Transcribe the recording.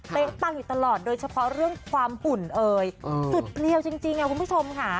ไปตั้งอยู่ตลอดโดยเฉพาะเรื่องความหุ่นเบลี่ยวจริงคุณผู้ชมหา